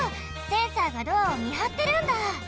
センサーがドアをみはってるんだ！